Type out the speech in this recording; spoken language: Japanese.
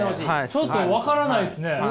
ちょっと分からないですね。